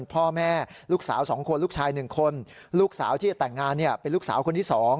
พ่อแม่ลูกสาว๒คนลูกชาย๑คนลูกสาวที่จะแต่งงานเป็นลูกสาวคนที่๒